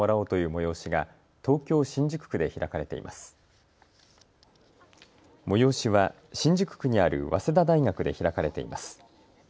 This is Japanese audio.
催しは新宿区にある早稲田大学で開かれています。